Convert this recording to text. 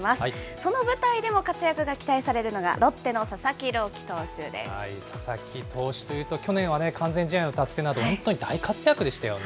その舞台でも活躍が期待されるのが、佐々木投手というと、去年は完全試合の達成など、本当に大活躍でしたよね。